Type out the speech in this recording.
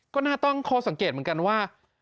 ก็น่าตั้งข้อสังเกตเหมือนกันว่า